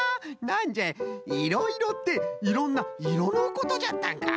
なんじゃいいろいろっていろんないろのことじゃったんか。